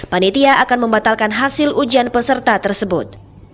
panitia akan membatalkan hasil ujian peserta tersebut